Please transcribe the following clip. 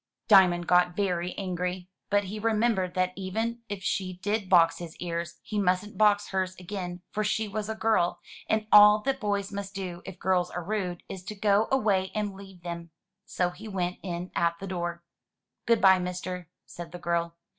Diamond got very angry. But he remembered that even if she did box his ears, he mustn't box hers again, for she was a girl, and all that boys must do, if girls are rude, is to go away and leave them. So he went in at the door. "Good bye, mister," said the girl.